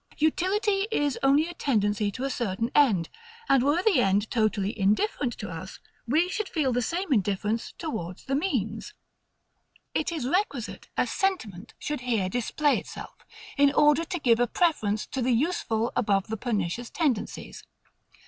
Utility is only a tendency to a certain end; and were the end totally indifferent to us, we should feel the same indifference towards the means. It is requisite a SENTIMENT should here display itself, in order to give a preference to the useful above the pernicious tendencies.